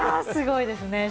すごいですね。